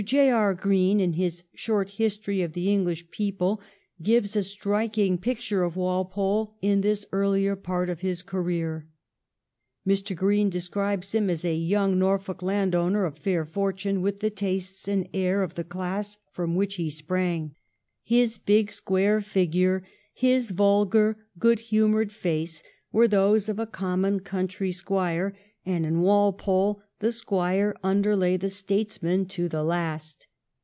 J. E. Green, in his ' Short History of the English People,' gives a striking picture of Walpole in this earlier part of his career. Mr. Green describes him as ' a young Norfolk landowner of fair fortune, with the tastes and air of the class from which he sprang.' 'His big, square figure, his vulgar, good humoured face, were those of a common country squire. And in Walpole the squire underlay the statesman to the last.